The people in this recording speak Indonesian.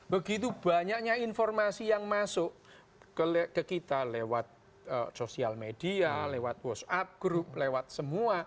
begitu banyaknya informasi yang masuk ke kita lewat sosial media lewat whatsapp group lewat semua